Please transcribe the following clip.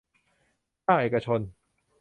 ภาคเอกชน